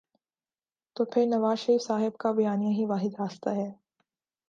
تو پھر نوازشریف صاحب کا بیانیہ ہی واحد راستہ ہے۔